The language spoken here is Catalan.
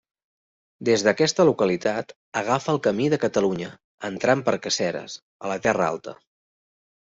Des d'aquesta localitat, agafa el camí de Catalunya, entrant per Caseres, a la Terra Alta.